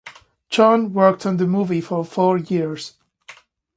Chon worked on the movie for four years.